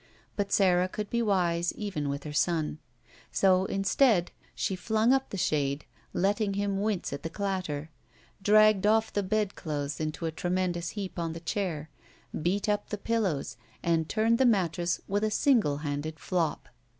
But Sara could be wise even with her son. So instead she fltmg up the shade, letting him wince at the clatter, dragged off the bedclothes into a tremendous heap on the chair, beat up the pillows, and turned the mattress with a single handed flop.